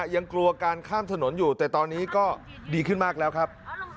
ยังกลัวการข้ามถนนอยู่แต่ตอนนี้ก็ดีขึ้นมากแล้วครับ